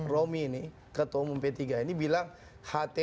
romi ini ketua umum p tiga ini bilang hti